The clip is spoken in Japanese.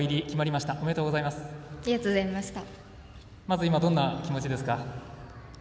まず今どんな気持ちですか。